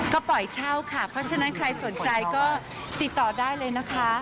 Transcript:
ก็ปล่อยเช่าค่ะเพราะฉะนั้นใครสนใจก็ติดต่อได้เลยนะคะ